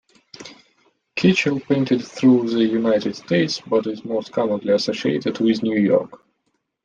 Kitchell painted throughout the United States but is most commonly associated with New York.